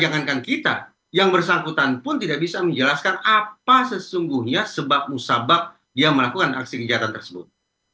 karena jangankan kita yang bersangkutan pun tidak bisa menjelaskan apa sesungguhnya sebab musabak dia melakukan aksi kejahatan tersebut